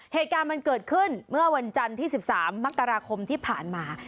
เหตุการณ์มันเกิดขึ้นเมื่อวันจันทร์ที่๑๓มกราคมที่ผ่านมา